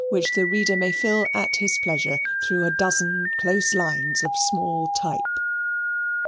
which the reader may fill at his pleasure through a dozen close lines of small type.